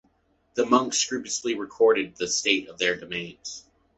The monks scrupulously recorded the state of their domains.